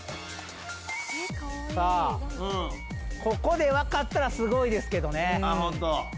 ここで分かったらすごいですけどね。